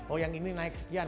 oh yang ini naik sekian